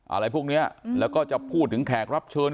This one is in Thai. อะไรพวกเนี้ยแล้วก็จะพูดถึงแขกรับเชิญ